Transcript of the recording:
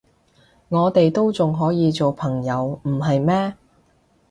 我哋都仲可以做朋友，唔係咩？